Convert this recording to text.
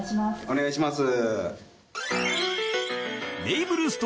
お願いします。